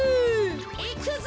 いくぞ！